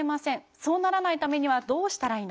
そうならないためにはどうしたらいいのか。